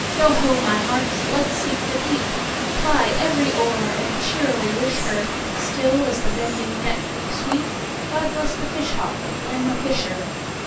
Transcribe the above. Yo ho, my hearts! let 's seek the deep, Ply every oar, and cheerily wish her, Still as the bending net we sweep,"God bless the fish hawk and the fisher!"